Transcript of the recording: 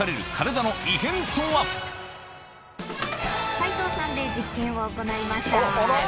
斉藤さんで実験を行いました。